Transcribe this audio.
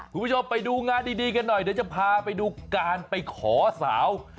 คุณผู้ชมไปดูงานดีกันหน่อยเดี๋ยวจะพาไปดูการไปขอสาว